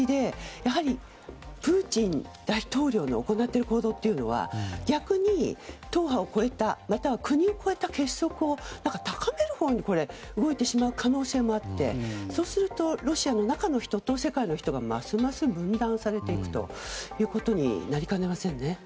プーチン大統領の行っている行動というのは逆に党派を超えたまたは国を超えた結束を高めるほうに動いてしまう可能性もあってそうするとロシアの中の人と世界の人がますます分断されていくということになりかねませんね。